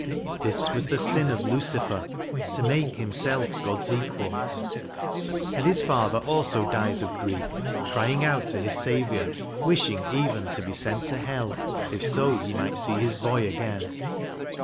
This was the sin of Lucifer To make himself God's equal. And his father also dies of grief, crying out to his Saviour, wishing even to be sent to hell, if so he might see his boy again.